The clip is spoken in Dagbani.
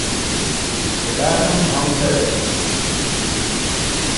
Bɛ daa niŋ haŋkali.